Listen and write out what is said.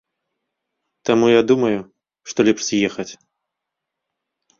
Таму я думаю, што лепш з'ехаць.